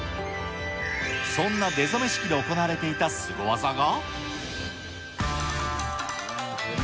そんな出初め式で行われていたスゴ技が。